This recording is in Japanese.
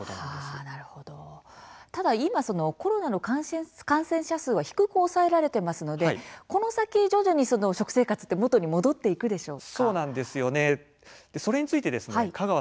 なるほどただ今コロナの感染者数は低く抑えられていますのでこの先、徐々に食生活って戻っていくんでしょうか。